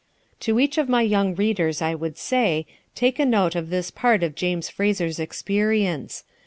To each of my young readers I would say, take a note of this part of James Fraser's experience.